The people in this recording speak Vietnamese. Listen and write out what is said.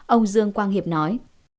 ông dương quang hiệp nói